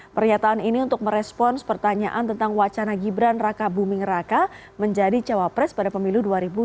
pernyataan ini untuk merespons pertanyaan tentang wacana gibran raka buming raka menjadi cawapres pada pemilu dua ribu dua puluh